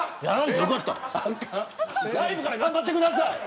ライブから頑張ってください。